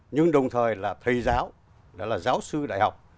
nhưng đồng thời là thầy giáo là giáo sư đại học